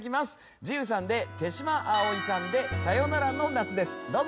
慈雨さんで手嶌葵さんで『さよならの夏』です。どうぞ。